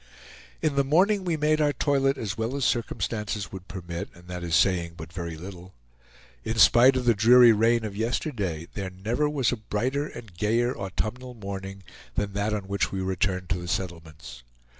In the morning we made our toilet as well as circumstances would permit, and that is saying but very little. In spite of the dreary rain of yesterday, there never was a brighter and gayer autumnal morning than that on which we returned to the settlements.